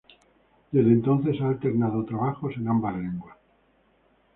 Desde entonces ha alternado trabajos en ambas lenguas.